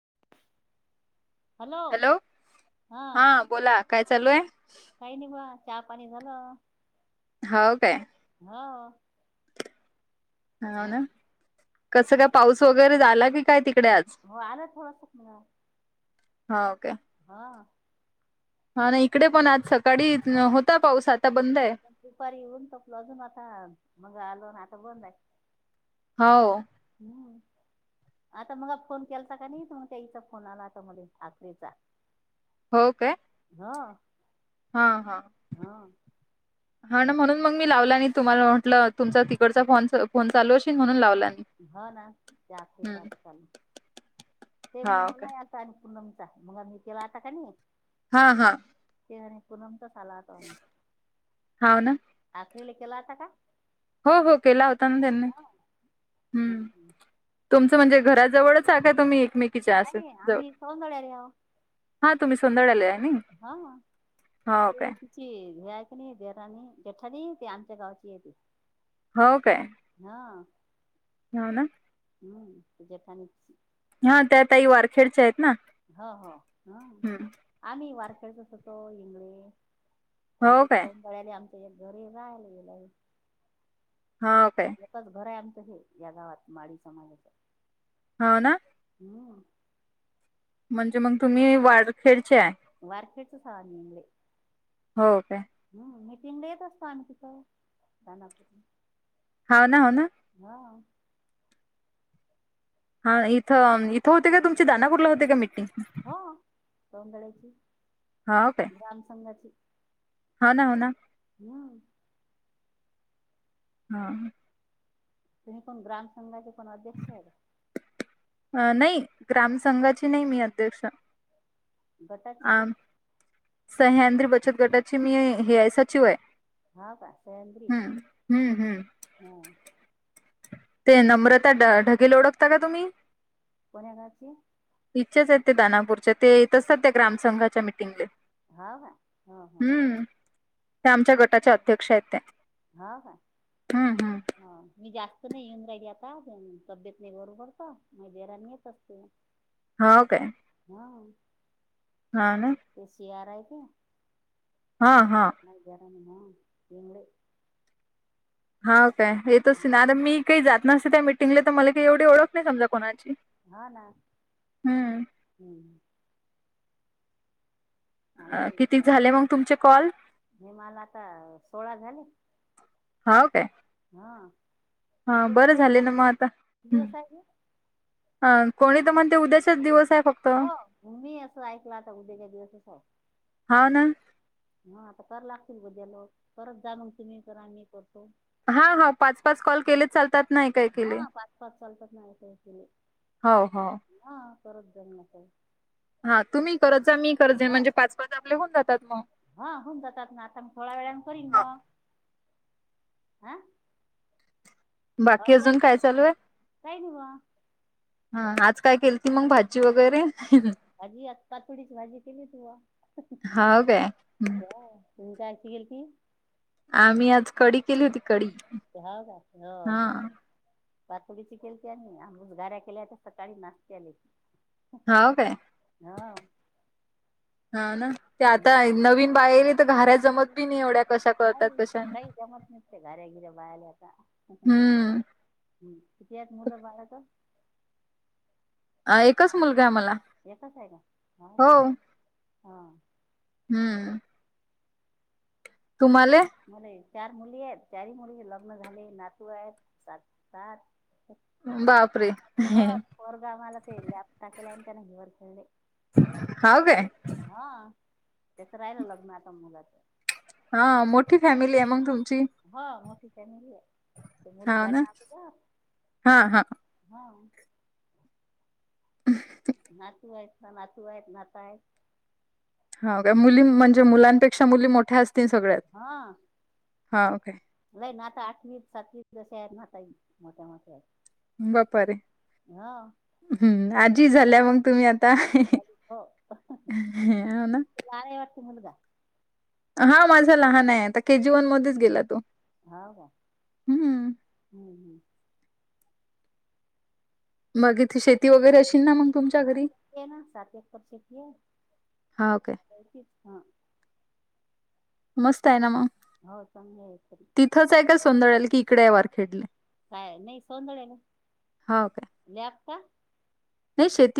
[inaudible] Hello हा बोला काय चालू आहे. काही नाही बा चहा पाणी झालं. हाव काय. हो हाऊ ना कसं काय पाऊस वगैरे झाला की काय त हो आलं थोडस [unintelligible] हा ओके. हा हा नाही इकडे पण आज स हो दुपारी येऊन तपल अजून आता मग आलो ना. [unintelligible] हऊ हम्म [inaudible] आता मला फोन केलता कणी नाही मग त्या ईचा फोन आला आता म ठाकरेचा. हो काय. हा. हा हा हा ना हो म्हणून मग मी लावला. तुम्हाला म्हटलं तुमचा तिकडचा फोन फोन चालूश म्हणून लावला. नाही ह ना त्यात हम्म आता ल ते म्हणे हा काय मला आता आणि पुन मग आ मी तेवहता का नाही. हा हा. ते आणि पूनम चाच आला हो तो आम्ही हा ना आखरीला केला होता का. हो हो केला होता ना त्यांनी हा. हम् हम्म. तुमचं म्हणजे घराजवळच आहे का तुम्ही. एकमेकीच्या असं नाही जवळ आम्ही सौदळ्याले हावू हा तुम्ही सोंदळ्याले आहे नाइ ते नई देरानी जेठाणी ते आमच्या गावाची येते हो काय हऊ ना हम्म जपानीच हा त्या तई वारखेडच्या आहेत ना हो हो हा हम्म आम्ही वारखेडचच होतो हिंगळे परी हो ते काय सभळाले आमच्या एक घरी राहिला गेला हऊ काय - हो या गावात माळी समाजाचं होव ना हम्म म्हणजे मग तुम्ही वाारखेड वर कच सहा मंगे हो का मिटिंगला येत असतो आम्ही तिथंनाप होा ना हो ना हा इथं इथं होते का तुमचे दानापूरला होते का मिीटिंग हो सौधळा्याची हो काय ग्राम संघाची हो ना हो ना हम् हा तुम्ही कोण ग्राम संंघाचे कोण अध्यक्ष आहेत अ नाही ग्राम संंघाची नाही मी अध्यक्ष बताच आ, सह्याद्री बचत गटाचे मी हे सचिव आहे हा का संदरी हम्म हम्म हम्म हा ते नम्रता ढकेल ओळखता का तुम्ही कोणा गाचे च आहेत ते दानापूरच्या ते येत असतात त्या ग्राम संंघाच्या मटिंगले हा हा हा ते आमच्या गटाचे अध्यक्ष आहेत ते हा काय हम्म हम्म ह मी जास्त नाही येऊन राहि आता तब्येत नाही बरू पडत मा बराणी येत असते होा काय ह हा ना तेशीयार आहे का हा हा ंग हा काय येतच ना आता मी काही जात नसते त्या मीटिंगला तर मला काही एवढी ओळख नाही समजा कोणाची हा ना हम्म हम्म आ अ, विच किती झाले मग तुमचे कॉल हेमाला आता सोळा झाले हा काय हा हा किती बरं दिवस झाले ना मग आता किती दिवस आहे हे? हा कोणी तर म्हणते उद्याशच दिवस आहे फक्त हो तुम्ही असं ऐकलं आता उद्या का दिवसच आहे हा ना हा आता तर लागतील ग त्याया लो परत जाण तुम्ही करा मी करतो हा हा पाच पाच कॉल केले चालतात नाही काय हा केले पाच पाच चालतात नाही केले हो हो ह परत जन्मत हा तुम्ही करत जा मी करजे म्हणजे पाच पाच आपले होऊन जातात मग हा होऊन जातात ना आता मी थोड्या वेळाान करीन हा. मग हं अ बाकी जा अजून चालू आहे काय निवा हा आज काय केल ती मग भाजी वगैरे भाजी आताातोडीच भाजी केली तू हो काय हम्म. जायची गेल की आम्ही आज कडी केली होती कडी हो हा बातोडीची केलते आणि आंस गार्या केल्या त्या सकाळी नाचतेले हा काय हा ना ते हं. आता नवीन बाहेर तर घाऱ्या जमत पी नाही एवढ्या कशा करतात नाही कशा काही जमत नसते घऱ्यागिऱे बाहेल्याता ह हम्म कतीत मुलं मलात अ, एकच मुलगा आहे येतच मला आहे का हो का हा हम्म. तुम्हाला? मला हे चार मुली आहेत चार मुलीचे लग्न झाले नातू आहेत सात बापरे हो परगा मला पले आपता केला त्या नाही वर खेळले हव का त्याचं राहिलं लग्न आता मुलाच हा मोठी फॅमिली आहे मग तुम हा मोठी फॅमली आहे. मुली हाव ना झाल्या आगोदर हा हा हा नातू आहेत ना नातू आहेत नाताय हो का मुली म्हणजे मुलांपेक्षा मुली मोठ्या असतात हा काय लई नाता आठवी सातवीस चार नाता आहे मोठा चार बपर आहे हम्म आजी झाल्या मग तुम्ही आता आजी झाली हो ना? तुला आहे वाटते मुलगा हा माझं लहान आहे आता के जी वन मध्येच गेला तो हो का हम्म हम्म हम्म मग इथे शेती वगैरे अ हो ना सात एकर शेती आहे. हाव काय? हा. मस्त आहे ना मग हो चांगली आहे तरी तिथंच आहे काय सोंदळल की इकडे वार खेडले काय नाही सोधळेला लप का लय शेती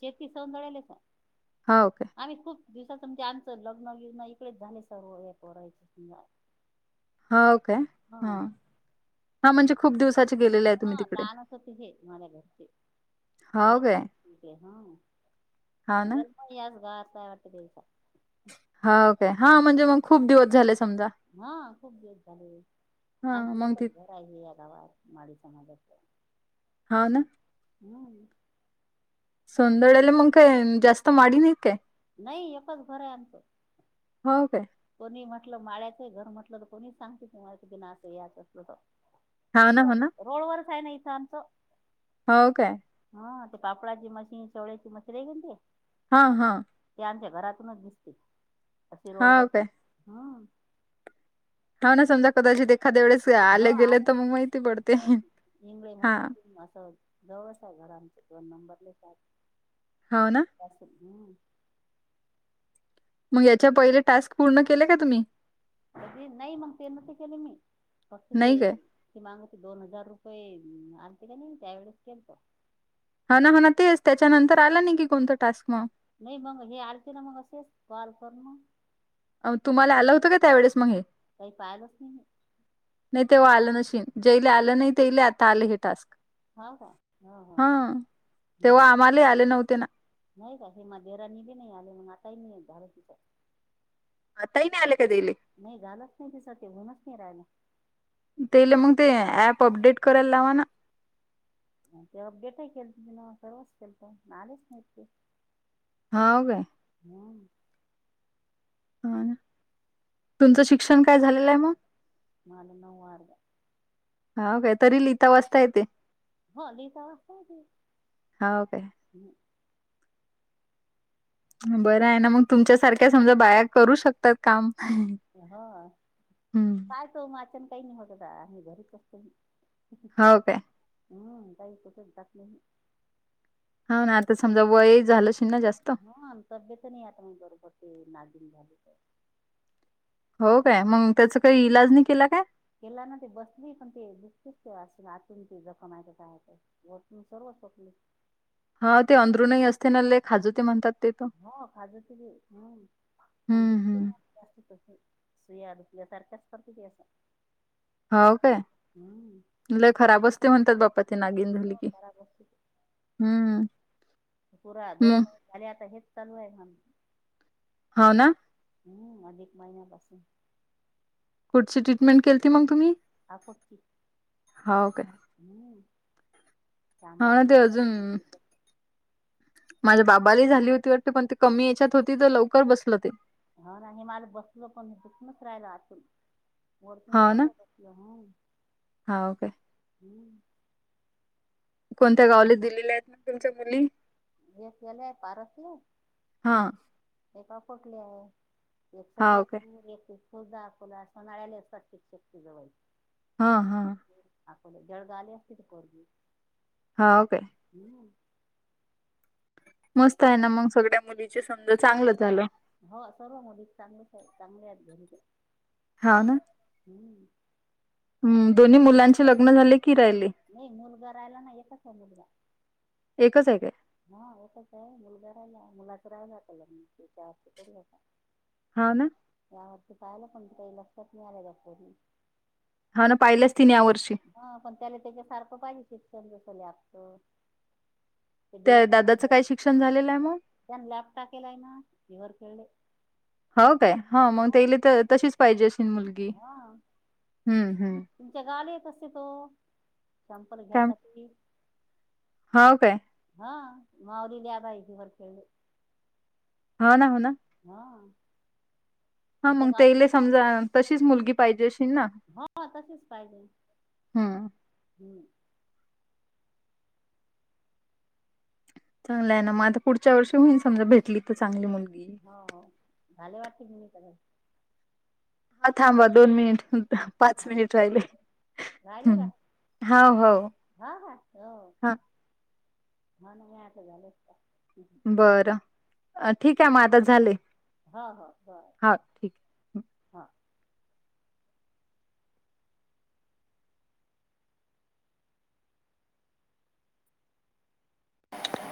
शेती सौंदळेले हाव काय? आम्ही खूप दिवसाचं म्हणजे आमचं लग्न विग्न इकडेच झाले सर्व एक वरायच- हा काय हा हा म्हणजे खूप दिवसाचे गेलेले आहे हा तुम्ही तिकडे. लहान असत हे मला बरते हाव तेव्हा काय? चालठीक आहे हा हाव ना? जलमस गाताय वाटत तेवसा हा म्हणजे मग खूप दिवस झाले समजा हा खूप दिवस झाले आणि हां, मग ती तुच घर आहे या गावात माडी स अ हा ना ह संदळल म काय जास्त मनके नाही एच घर आहे आमचं हाव काय? कोणी म्हटलं माळ्याचं घर म्हटलं तर कोणी सांगते तुम्हातीना असं याच असलं तर हाव ना, हो रोड वरच आहे ना इथ आमचं हो काय? हा ते पापडाची मशीन शेवलेची मशीन आहे का ना ते हा हा. त्यांच्या घरातूनच दिसते हा काय हा. हा ना समजा कदाचित ते हो आला त हंगळे म्हटलं हां, त असं जवळच आहे घरमच दोन नंबरले सा हाव ना? आस मग याच्या पहिले टास्क पूर्ण केले का तुम्ही? नाही मग ते न ते केले मी मस्त ते नाही काय? ये मग दोन हजार रुपये आणते का नाही त्यावेळेस केलत ह ना हा ना तेच त्याच्यानंतर आला नाही की कोणत टास्क म नाही मग हे अरती ना मग असेच कॉल करतो अओ तुम्हाला आलं होतं का त्यावेेळेस मग हे काही पाहिलच नाही नाही तेव्हा आलं नशन जेले आलं नाही तेयला आता आले हे टास्क हाव का हो हो हा तेव्हा हम्म आम्हाला आले नव्हते ना नाही का हे मध्येेराणी बी नाही आले मग आताही नाही झाल तिच आ ता नाही आले का तेले नाही घालच नाही तस ते होऊनच नाही राहाला [inaudible] तेला मग ते ऍप अपडेट करायला लावा ना ते अपडेटही केल तुझ नाव करवच केल तर आलेच नाहीत ते हा हो हम्म ह तुमचं शिक्षण काय झालेलं आहे म माल नऊ वार का हा वह्या काय तरी लिहिता वाजता येते होय लिहिता वाचता येते हा काय बरं आहे ना मग तुमच्यासारख्या समजा बाया करू शकतात काम हो हम्म पाय तो मा अचन काही नाही होत आम्ही घरीच कर तो की हावत्या हम् जाही ततच टाकलायी नाही हा ना आता समजा वय झाल हांतव्येत नाही आता म बरोबर ते नागिन [inaudible] झाले [inaudible] हो काय मग त्याचा काही इलाज नाही केला काय केला ना ते बसली पण ते दुखतेच आतून ते जखमाच काय सर्व शकले हा ते अधरुूनही असते ना ल खाजू ते म्हणतात ते तर. हो खाज त ह दु हं, हं. जात सुया सरखस्पडती केस हो काय ल खूप खराब असते म्हणतात बाप्पा ते नागीन झाली हो की खराब असते हम्म पुरा दोन महिने झाले आता हेच चालू आहे म्हण हो ना अदीक महिन्यापासून कुठची ट्रीटमेंट केलीती मग तुम्ही आ करची हो हम् हा ते अजून तिथं माझ्या बाप् बाली झाली होती वाटते पण ते कमी याच्यात होती तर लवकर बसल ते हा ना हे मला बसल पण हे दुखूनच राहिलं अजून वरतून हो ना? सर्व बटलं ह हो काय? हम् कोणत्या गावले दिल्लील्या आहेत मग तुमच्या मुली एक आहे पारसले हां. ते का फोटले आहे एक सद हो काय? ख द आपोला असळाले असतात्य शती जवळ हा हा आपोले जळगा आले असती त खोरगी हा ओ काे मस्त आहे ना मग सगळ्या मुलीची समजा चांगलं झालं हो सर्व मोदी चांगलेच चांगले आहेत घरीच हा ना दोन्ही मुलांचे लग्न झाले की राहिले? नाही मुलगा राहिला ना येतच आहे मुलगा एकच आहे काय? हा होच आहे मुलगा राहायला मुलाचं राहालाात लोड हो ना? यावरती पाहिलं पण काही लक्षात नाहीळालं त्यापोरी हा ना पाहिले हा पण त्याला त्याच्यासारखं पाहिजे शिक्षण जस लपत ते त्या डीएमल दादाचं काय शिक्षण झालेलं आहे मग त्या लॅपटा केलाय ना ह हो काय हा मग तेले तर तशीच पाहिजे अस मुलगी हा हम्म हम्म क तो संपल काय घ्यासाठी हो काय हा माऊलीली पाहिजे वर खेळले हा ना हो ना हा हा तुमच्या मग ते गावाची इले समजा तशीच मुलगी पाहिजे ना हा तसेच पाहिजे हम्म चांगला आहे ना मग आता पुढच्या वर्षी होईन समजा भेटली तर चांगली मुलगी हो झाले वाटते मुी क हा थांबा दोन मिनिट पाच मिनिट राहिले राहिलं का हम्म हो हो हा हा हो हा हा नाही आता झालंच का बरं ठीक आहे मग आता झाले हा हा बय हा ठीक आहे हा